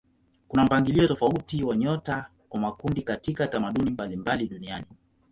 Kuna mpangilio tofauti wa nyota kwa makundi katika tamaduni mbalimbali duniani.